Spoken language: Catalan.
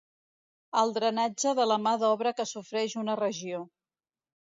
El drenatge de la mà d'obra que sofreix una regió.